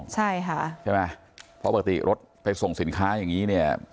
ใช่ค่ะใช่ไหมเพราะปกติรถไปส่งสินค้าอย่างนี้เนี่ย